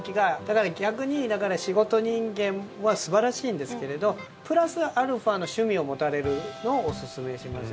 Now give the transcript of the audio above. だから逆に、仕事人間は素晴らしいんですけれどプラスアルファの趣味を持たれるのをおすすめします。